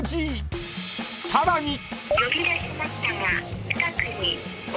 ［さらに］